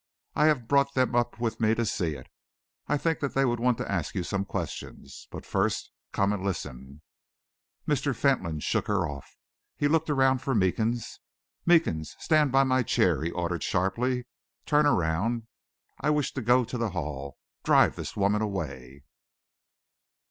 I have brought them up with me to see it. I think that they want to ask you some questions. But first, come and listen." Mr. Fentolin shook her off. He looked around for Meekins. "Meekins, stand by my chair," he ordered sharply. "Turn round; I wish to go to the Hall. Drive this woman away."